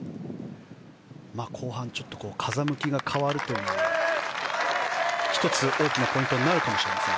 後半、風向きが変わるという１つ大きなポイントになるかもしれません。